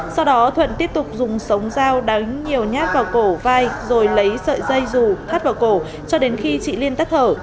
sau đó thuận tiếp tục dùng súng dao đánh nhiều nhát vào cổ vai rồi lấy sợi dây dù thắt vào cổ cho đến khi chị liên tắt thở